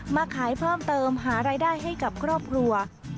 มาขายเพิ่มเติมหารายได้ให้กับครอบครัว